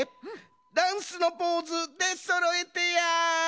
「ダンスのポーズ」でそろえてや！